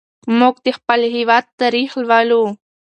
موږ د خپل هېواد تاریخ لولو.